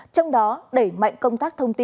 trong đó đẩy mạnh công tác thông tin